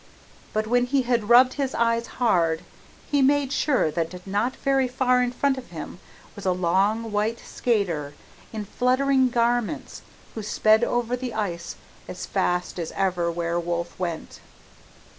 But when he had rubbed his eyes hard, he made sure that not very far in front of him was a long white skater in fluttering garments who sped over the ice as fast as ever werewolf went.